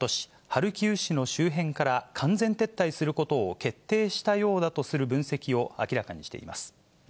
ハルキウ市の周辺から完全撤退することを決定したようだとする分析を明らかにしています。